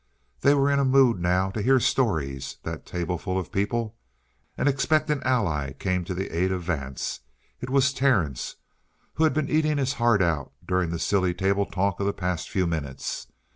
They were in a mood, now, to hear stories, that tableful of people. An expected ally came to the aid of Vance. It was Terence, who had been eating his heart out during the silly table talk of the past few minutes.